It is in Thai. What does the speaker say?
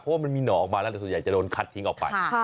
เพราะว่ามันมีหนองออกมาแล้วแต่ส่วนใหญ่จะโดนคัดทิ้งออกไป